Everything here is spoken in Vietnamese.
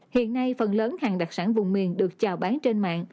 hiện nay phần lớn hàng đặc sản vùng miền được chào bán trên mạng